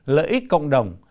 lợi ích cộng đồng